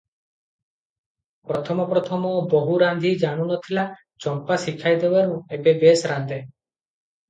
ପ୍ରଥମ ପ୍ରଥମ ବୋହୂ ରାନ୍ଧି ଜାଣୁ ନ ଥିଲା, ଚମ୍ପା ଶିଖାଇ ଦେବାରୁ ଏବେ ବେଶ୍ ରାନ୍ଧେ ।